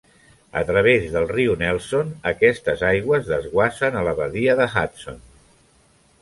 A través del riu Nelson aquestes aigües desguassen a la badia de Hudson.